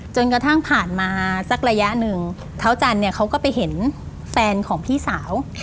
จนกระทั่งผ่านมาสักระยะหนึ่งเท้าจันทร์เนี่ยเขาก็ไปเห็นแฟนของพี่สาว